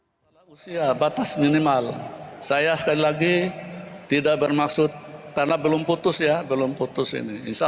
senjalanya reagir pada posisi hal keleriniwa pada saat pengambilan ayam sdm ke media bahkan di australia